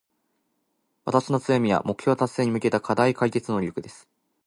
私の強みは、目標達成に向けた課題解決能力です。